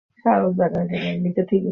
তোর রক্ত হাড়ে লেগেছে।